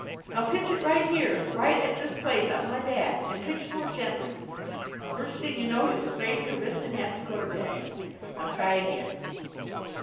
Now, pitch it right here; right at this place on my bat. And pitch more gently; the first thing you know you'll sprain your wrist and have to go to bed. Now, try again."